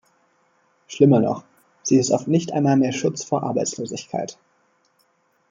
Schlimmer noch, sie ist oft nicht einmal mehr Schutz vor Arbeitslosigkeit.